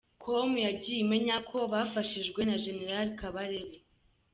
Com yagiye imenya ko bafashijwe na General Kabarebe.